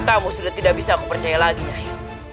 kata katamu sudah tidak bisa aku percaya lagi nyai